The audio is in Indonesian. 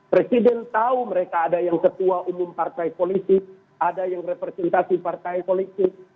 presiden tahu mereka ada yang ketua umum partai politik ada yang representasi partai politik